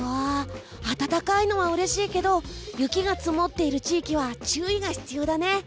暖かいのはうれしいけど雪が積もっている地域は注意が必要だね。